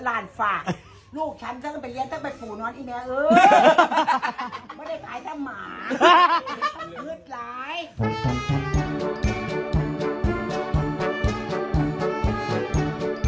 หามาให้แม่คืนด้วยจากสองร้านเออเอาอีกรถที่สูงแม่กลับมาได้เออ